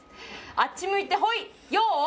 あっちむいてホイ！